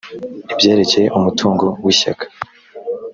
ibyerekeye umutungo w ishyaka